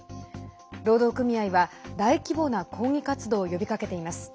労働組合は大規模な抗議活動を呼びかけています。